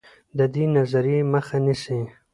د دې نظریې مخه نیسي.